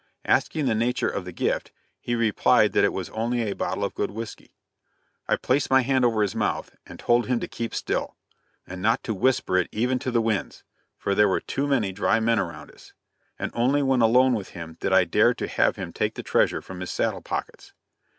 Asking the nature of the gift, he replied that it was only a bottle of good whiskey. I placed my hand over his mouth and told him to keep still, and not to whisper it even to the winds, for there were too many dry men around us; and only when alone with him did I dare to have him take the treasure from his saddle pockets.